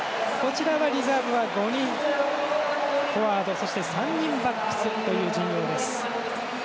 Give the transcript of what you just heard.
リザーブは５人、フォワード３人バックスという陣容です。